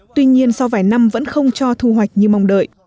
tuy nhiên sau vài năm vẫn không cho thu hoạch như mong đợi